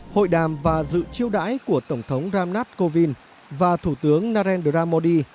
hội đàm và dự chiêu đãi của tổng thống ram nath kovind và thủ tướng narendra modi